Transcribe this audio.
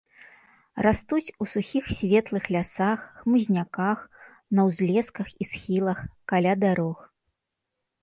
Растуць у сухіх светлых лясах, хмызняках, на ўзлесках і схілах, каля дарог.